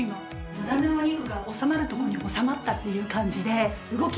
無駄なお肉が収まるとこに収まったっていう感じで動きやすい。